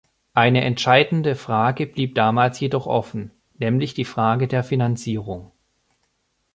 Eine entscheidende Frage blieb damals jedoch offen, nämlich die Frage der Finanzierung.